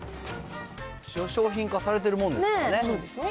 一応商品化されてるものなんですかね。